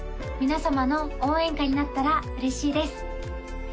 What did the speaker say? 皆様の応援歌になったら嬉しいです